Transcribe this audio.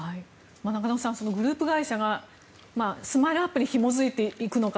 中野さんグループ会社がＳＭＩＬＥ‐ＵＰ．にひもづいていくのか